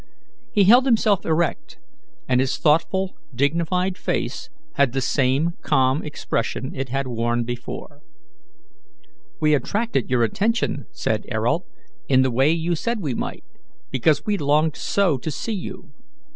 He held himself erect, and his thoughtful, dignified face had the same calm expression it had worn before. "We attracted your attention," said Ayrault, "in the way you said we might, because we longed so to see you."